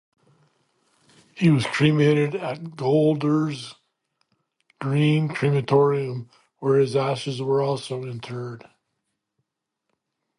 He was cremated at Golders Green Crematorium, where his ashes were also interred.